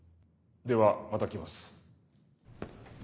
ではまた来ます。